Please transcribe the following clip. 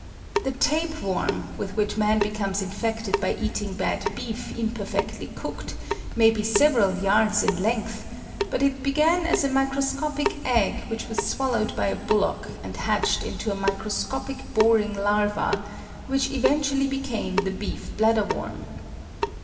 The tapeworm, with which man becomes infected by eating bad beef imperfectly cooked, may be several yards in length, but it began as a microscopic egg which was swallowed by a bullock and hatched into a microscopic boring larva, which eventually became the beef bladderworm.